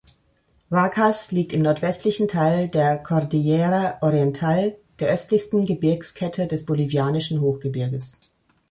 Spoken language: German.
Vacas liegt im nordwestlichen Teil der Cordillera Oriental, der östlichsten Gebirgskette des bolivianischen Hochgebirges.